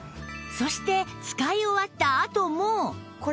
そして使い終わったあとも